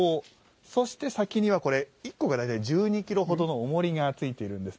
そして、先には１個が大体１２ｋｇ程のおもりが付いているんです。